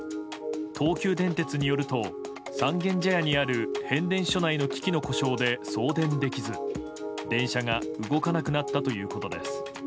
東急電鉄によると三軒茶屋にある変電所内の機器の故障で送電できず、電車が動かなくなったということです。